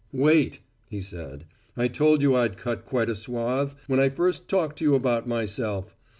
"Wait!" he said. "I told you I'd cut quite a swathe, when I first talked to you about myself.